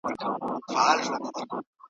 زما لا مغروره ککرۍ دروېزه نه قبلوي `